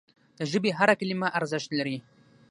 د ژبي هره کلمه ارزښت لري.